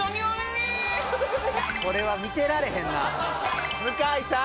これは見てられへんな向井さん